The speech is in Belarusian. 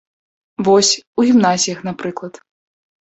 Вось, у гімназіях, напрыклад.